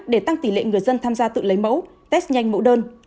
để tăng tỷ lệ người dân tham gia tự lấy mẫu test nhanh mẫu đơn